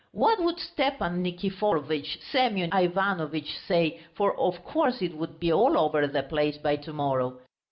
What would Stepan Nikiforovitch, Semyon Ivanovitch say (for of course it would be all over the place by to morrow)?